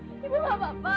ibu gak apa apa